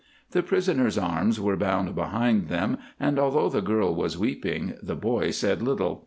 The prisoners' arms were bound behind them, and although the girl was weeping, the boy said little.